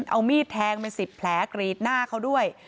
เอามีดแทงเป็น๑๐แผลกรีดหน้าเขาด้วย